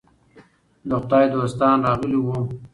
د خدای دوستان راغلي وو.